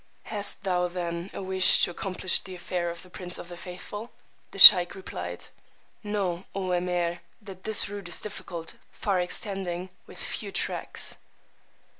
Hast thou then a wish to accomplish the affair of the Prince of the Faithful? The sheykh replied, Know, O Emeer, that this route is difficult, far extending, with few tracks.